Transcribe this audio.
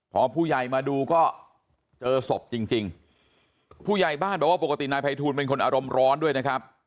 พอผู้ใหญ่มาดูก็เจอศพจริงจริงผู้ใหญ่บ้านบอกว่าปกตินายภัยทูลเป็นคนอารมณ์ร้อนด้วยนะครับ